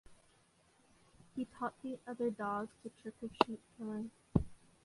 He taught the other dogs the trick of sheep-killing.